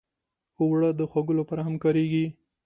اوړه د خوږو لپاره هم کارېږي